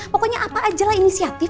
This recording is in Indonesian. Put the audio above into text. pokoknya apa ajalah inisiatif